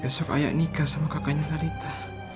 besok ayah nikah sama kakaknya kalita